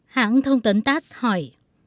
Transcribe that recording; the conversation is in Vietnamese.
hãng thông tấn tass hỏi